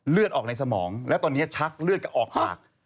เลือดออกในสมองแล้วตอนนี้ชักเลือดจะออกปาก